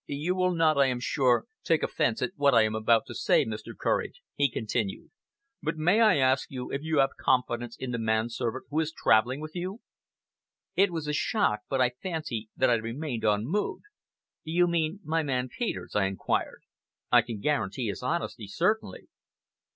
"You will not, I am sure, take offence at what I am about to say, Mr. Courage," he continued; "but may I ask if you have confidence in the manservant who is now travelling with you?" It was a shock, but I fancy that I remained unmoved. "You mean my man Peters?" I inquired. "I can guarantee his honesty certainly."